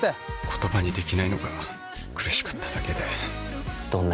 言葉にできないのが苦しかっただけで。